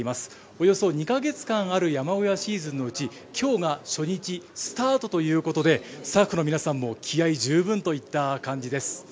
およそ２か月間ある山小屋シーズンのうち、きょうが初日、スタートということで、スタッフの皆さんも気合い十分といった感じです。